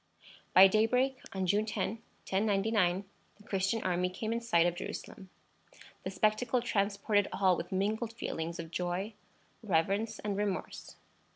By daybreak on June 10, 1099, the Christian army came in sight of Jerusalem. The spectacle transported all with mingled feelings of joy, reverence, and remorse.